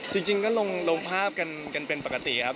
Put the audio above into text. จริงก็ลงภาพกันเป็นปกติครับ